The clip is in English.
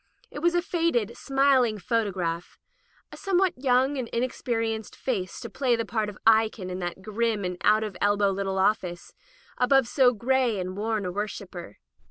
It was a faded, smiling photo graph — 2, somewhat young and inexperienced face to play the part of Eikon in that grim and out at elbow little office, above so gray and worn a worshipper.